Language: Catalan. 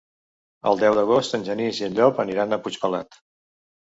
El deu d'agost en Genís i en Llop aniran a Puigpelat.